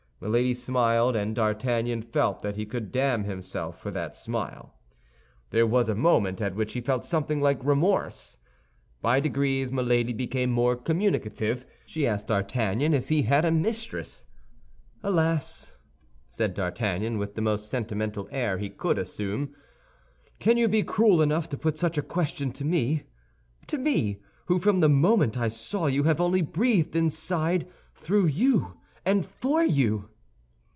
Milady smiled, and D'Artagnan felt that he could damn himself for that smile. There was a moment at which he felt something like remorse. By degrees, Milady became more communicative. She asked D'Artagnan if he had a mistress. "Alas!" said D'Artagnan, with the most sentimental air he could assume, "can you be cruel enough to put such a question to me—to me, who, from the moment I saw you, have only breathed and sighed through you and for you?"